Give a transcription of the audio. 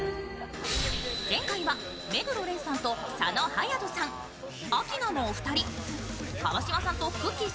前回は目黒蓮さんと佐野勇斗さん、アキナのお二人、川島さんとくっきー！